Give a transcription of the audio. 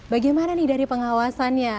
bagaimana nih dari pengawasannya